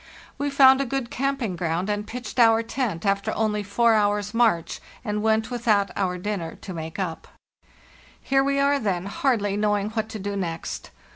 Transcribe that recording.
We found a good camping ground and BY SLEDGE AND KAVAK 261 pitched our tent after only four hours' march, and went without our dinner to make up. " Here we are, then, hardly knowing what to do next.